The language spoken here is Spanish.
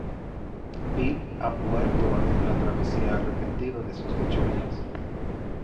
Bill ha muerto en la travesía, arrepentido de sus fechorías.